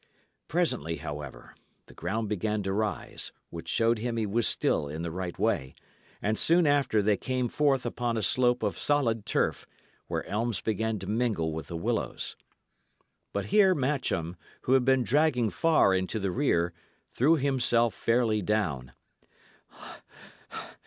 Presently, however, the ground began to rise, which showed him he was still in the right way, and soon after they came forth upon a slope of solid turf, where elms began to mingle with the willows. But here Matcham, who had been dragging far into the rear, threw himself fairly down.